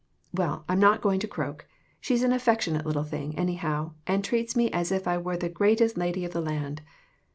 Well, I'm not going to croak. She's an affectionate little thing, anyhow, and treats me as if I were the greatest lady of the land.